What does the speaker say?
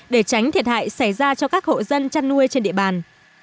để tránh thiệt hại xảy ra cho các hộ dân chăn nuôi trên địa bàn